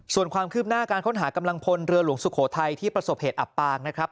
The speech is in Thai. ส่วนความคืบหน้าการค้นหากำลังพลเรือหลวงสุโขทัยที่ประสบเหตุอับปางนะครับ